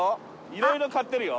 いろいろ買ってるよ。